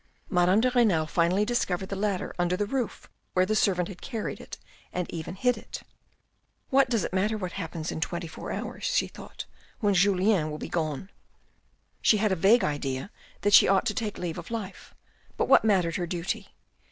Madame de Renal finally discovered the ladder under the roof where the servant had carried it and even hid it. " What does it matter what happens in twenty four hours," she thought, " when Julien will be gone ?" She had a vague idea that she ought to take leave of life but what mattered her duty